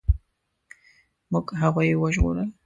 موږ هغوی وژغورل.